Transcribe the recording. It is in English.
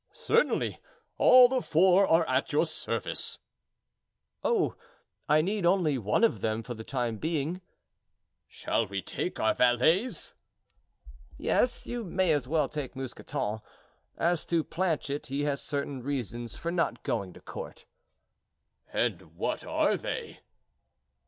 "Certainly; all the four are at your service." "Oh, I need only one of them for the time being." "Shall we take our valets?" "Yes, you may as well take Mousqueton. As to Planchet, he has certain reasons for not going to court." "And what are they?"